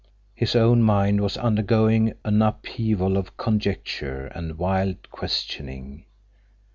His own mind was undergoing an upheaval of conjecture and wild questioning.